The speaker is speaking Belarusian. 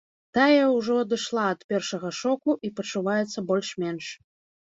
Тая ўжо адышла ад першага шоку і пачуваецца больш-менш.